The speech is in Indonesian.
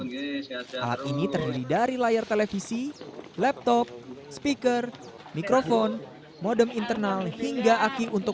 alat ini terdiri dari layar televisi laptop speaker mikrofon modem internal hingga aki untuk